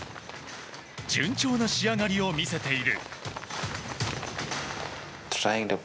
順調な仕上がりを見せている。